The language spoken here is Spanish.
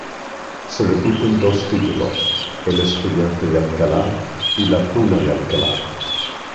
Se repiten dos títulos: "El estudiante de Alcalá" y "La tuna de Alcalá".